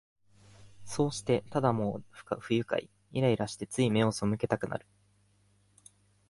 そうして、ただもう不愉快、イライラして、つい眼をそむけたくなる